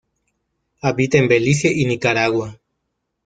Habita en Belice y Nicaragua.